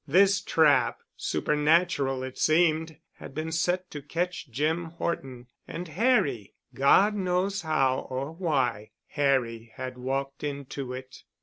This trap, super natural it seemed, had been set to catch Jim Horton and Harry—God knows how or why—Harry had walked into it.